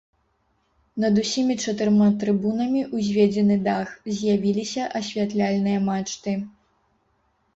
Над усімі чатырма трыбунамі ўзведзены дах, з'явіліся асвятляльныя мачты.